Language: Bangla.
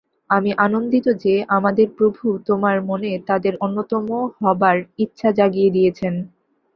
আমি আনন্দিত যে, আমাদের প্রভু তোমার মনে তাঁদের অন্যতম হবার ইচ্ছা জাগিয়ে দিয়েছেন।